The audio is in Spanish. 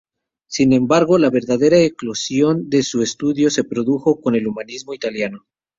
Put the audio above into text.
Sin embargo, la verdadera eclosión de su estudio se produjo con el Humanismo italiano.